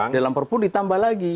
dalam perpu ditambah lagi